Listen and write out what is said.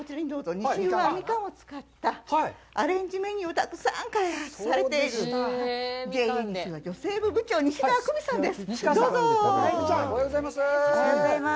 西宇和みかんを使ったアレンジメニューをたくさん開発されているＪＡにしうわの西川久美さんです。